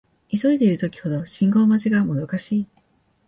急いでいる時ほど信号待ちがもどかしい